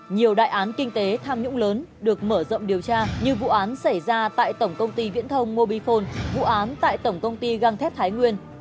nhiều đại án kinh tế tham nhũng lớn được mở rộng điều tra như vụ án xảy ra tại tổng công ty viễn thông mobifone vụ án tại tổng công ty găng thép thái nguyên